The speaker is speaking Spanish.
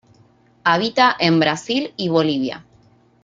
Habita en Brasil y Bolivia.